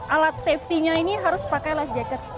alat safety nya ini harus pakai life jacket